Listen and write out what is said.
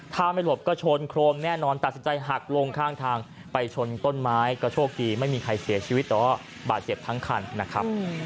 ถ้าไม่หลบก็ชนโครมแน่นอนตัดสินใจหักลงข้างทางไปชนต้นไม้ก็โชคดีไม่มีใครเสียชีวิตแต่ว่าบาดเจ็บทั้งคันนะครับ